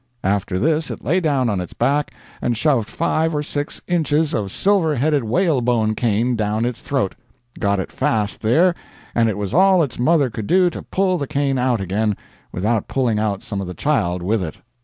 After this it lay down on its back, and shoved five or six inches of a silver headed whalebone cane down its throat; got it fast there, and it was all its mother could do to pull the cane out again, without pulling out some of the child with it.